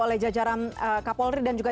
oleh jajaran kapolri dan juga